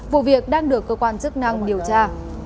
vụ việc đang được cơ quan chức năng điều tra